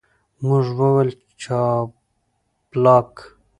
موږ وویل، جاپلاک.